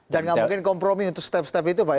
dan gak mungkin kompromi untuk step step itu pak ya